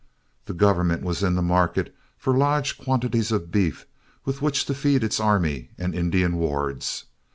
The government was in the market for large quantities of beef with which to feed its army and Indian wards.